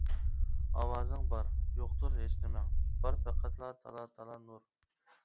ئاۋازىڭ بار، يوقتۇر ھېچنېمەڭ، بار پەقەتلا تالا-تالا نۇر.